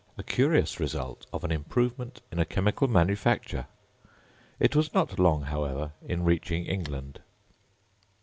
A curious result of an improvement in a chemical manufacture! It was not long, however, in reaching England.